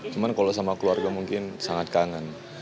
cuma kalau sama keluarga mungkin sangat kangen